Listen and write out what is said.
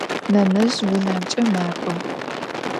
Nenezj vunemç'e mak'o.